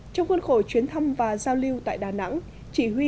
trong khuôn khổ chuyến thăm và dự án việt nam đã đồng hành với các đối tác quốc tế